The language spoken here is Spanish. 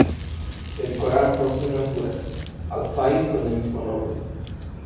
El Corán posee una sura, Al-Faŷr, con el mismo nombre.